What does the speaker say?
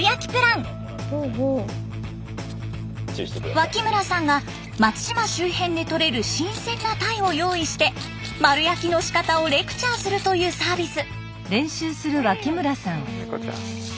脇村さんが松島周辺でとれる新鮮なタイを用意して丸焼きのしかたをレクチャーするというサービス。